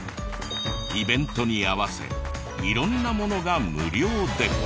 イベントに合わせ色んなものが無料で。